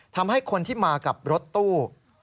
ทำให้คนที่มากับรถตู้